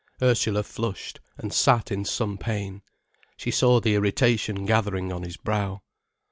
Ursula flushed, and sat in some pain. She saw the irritation gathering on his brow.